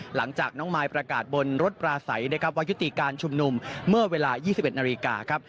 หลังจากน้องมายประกาศบนรถปลาใสนะครับว่ายุติการชุมนุมเมื่อเวลา๒๑นาฬิกาครับ